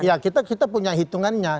ya kita punya hitungannya